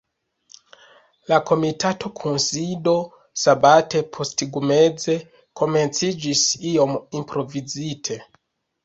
La komitata kunsido sabate posttagmeze komenciĝis iom improvizite.